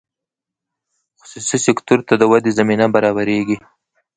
خصوصي سکتور ته د ودې زمینه برابریږي.